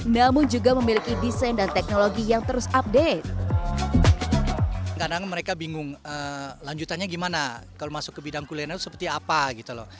namun juga memiliki desain yang sangat menarik